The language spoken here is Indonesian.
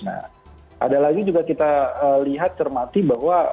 nah ada lagi juga kita lihat cermati bahwa